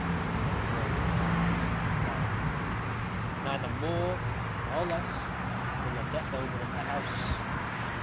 "What warning?" inquired Luke. "Neither more nor less than the death omen of the house.